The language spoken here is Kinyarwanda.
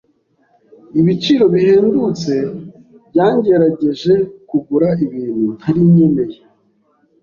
Ibiciro bihendutse byangerageje kugura ibintu ntari nkeneye.